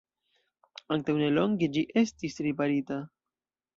Antaŭnelonge ĝi estis riparita.